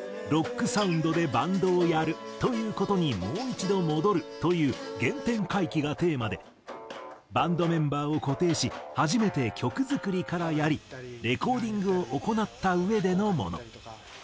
「ロックサウンドでバンドをやるという事にもう一度戻る」という原点回帰がテーマでバンドメンバーを固定し初めて曲作りからやりレコーディングを行ったうえでのもの。